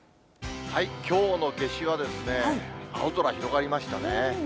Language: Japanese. きょうの夏至は、青空広がりましたね。